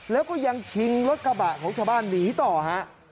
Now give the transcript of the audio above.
แล้วก็ยังชิงรถกระบะของชาวบ้านหนีต่อฮะ